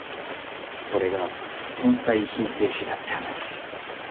俺が天才遺品整理士だって話。